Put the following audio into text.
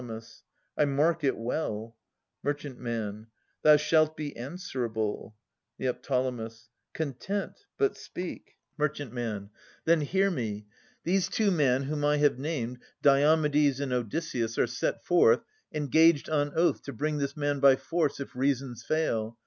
I mark it well. Mer. Thou shalt be answerable. Neo. Content : but speak. 288 Philodetes [591 623 Mer. Then hear me. These two men whom I have named, Diomedes and Odysseus, are set forth Engaged on oath to bring this man by force If reasons fail.